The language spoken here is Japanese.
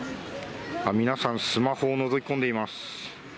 皆さん、スマホをのぞき込んでいます。